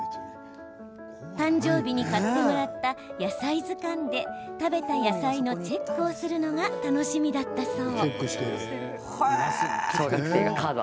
誕生日に買ってもらった野菜図鑑で食べた野菜のチェックをするのが楽しみだったそう。